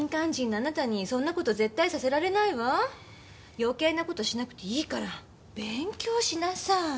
余計な事しなくていいから勉強しなさい。